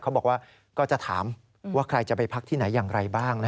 เขาบอกว่าก็จะถามว่าใครจะไปพักที่ไหนอย่างไรบ้าง